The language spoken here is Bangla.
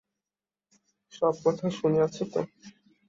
সব কথা শুনিয়াছ তো?